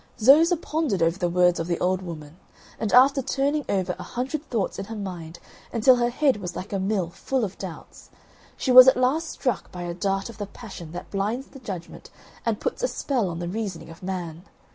Zoza pondered over the words of the old woman, and after turning over a hundred thoughts in her mind, until her head was like a mill full of doubts, she was at last struck by a dart of the passion that blinds the judgment and puts a spell on the reasoning of man.